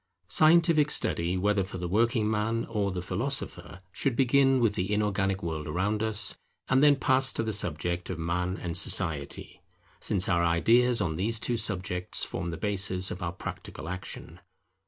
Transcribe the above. Scientific study, whether for the working man or the philosopher, should begin with the inorganic world around us, and then pass to the subject of Man and Society; since our ideas on these two subjects form the basis of our practical action.